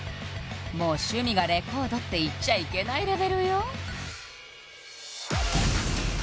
もう「趣味がレコード」って言っちゃいけないレベルよ！